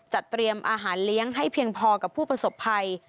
เตรียมอาหารเลี้ยงให้เพียงพอกับผู้ประสบภัย